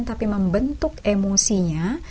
tapi membentuk emosi dan kegiatan